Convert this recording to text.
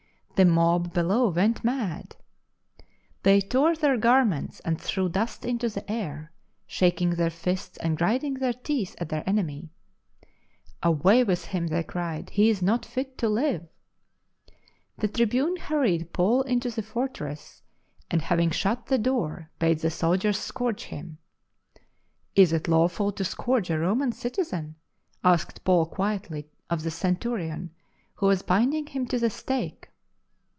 The mob below went mad. They tore their garments, and threw dust into the air, shaking their fists and grinding their teeth at their enemy. " Away with him," they cried, " he is not fit to live !" The tribune hurried Paul into the fortress, and having shut the door bade the soldiers scourge him. " Is it lawful to scourge a Roman citizen ?" asked Paul quietly of the centurion who was binding him to the stake.